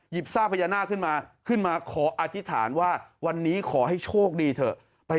หยิบทราบพญานาคขึ้นมาขออธิษฐานว่าวันนี้ขอให้โชคดีเถอะ